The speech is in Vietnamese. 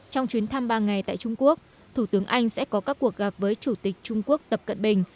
trong chuyến thăm ba ngày tại trung quốc thủ tướng anh sẽ có các cuộc gặp với chủ tịch trung quốc tập cận bình